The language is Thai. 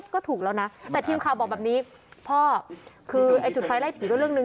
ก็ถูกแล้วนะแต่ทีมข่าวบอกแบบนี้พ่อคือไอ้จุดไฟไล่ผีก็เรื่องหนึ่ง